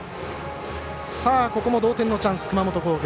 ここも同点のチャンス熊本工業。